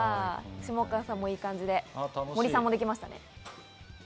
下川さんもいい感じで、森さんもできましたね。